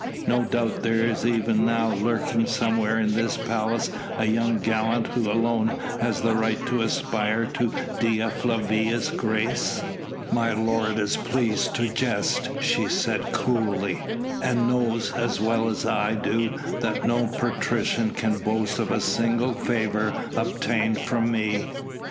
No doubt there is even now lurking somewhere in this palace a young gallant who alone has the right to aspire to Dea Flavia's grace." "My lord is pleased to jest," she said coolly, "and knows as well as I do that no patrician can boast of a single favour obtained from me."